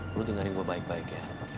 lu dengerin gua baik baik ya